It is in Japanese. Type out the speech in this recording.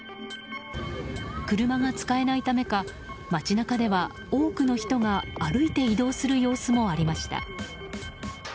車が使えないためか、街中では多くの人が歩いて移動する様子もありました。